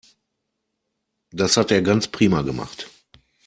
Das hat er ganz prima gemacht.